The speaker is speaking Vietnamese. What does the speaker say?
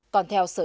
còn theo sở y tế